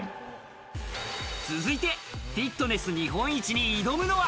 続いて、フィットネス日本一に挑むのは。